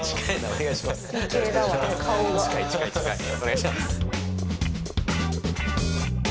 お願いします。